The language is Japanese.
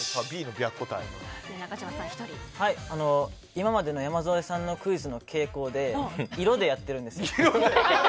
今までの山添さんのクイズの傾向で色でやっているんです。